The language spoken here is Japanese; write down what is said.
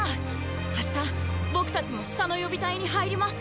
明日僕たちも下の予備隊に入ります！